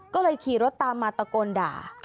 ก็เลยขี่รถตามมาตะโกนด่า